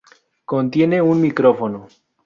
Contiene un micrófono.